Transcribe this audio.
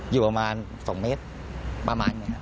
อยู่ประมาณ๒เมตรประมาณนี้ครับ